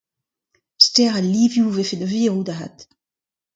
Stêr al livioù vefe da virout, avat.